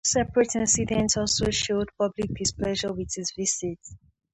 Two separate incidents also showed public displeasure with his visit.